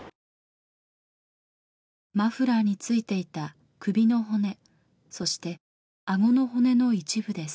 マフラーについていた首の骨そしてあごの骨の一部です。